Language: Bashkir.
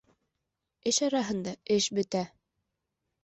Эш араһында эш бөтә.